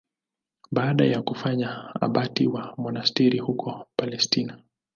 Baada ya kufanywa abati wa monasteri huko Palestina.